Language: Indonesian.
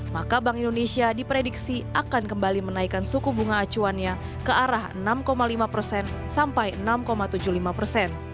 maka bank indonesia diprediksi akan kembali menaikkan suku bunga acuannya ke arah enam lima persen sampai enam tujuh puluh lima persen